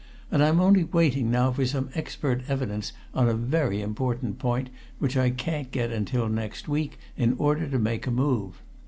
And I'm only waiting now for some expert evidence on a very important point, which I can't get until next week, in order to make a move.